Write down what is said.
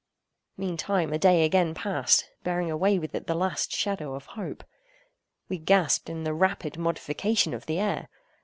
Meantime a day again passed—bearing away with it the last shadow of Hope. We gasped in the rapid modification of the air.